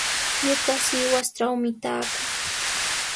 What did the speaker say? Ñuqa Sihuastrawmi taakuu.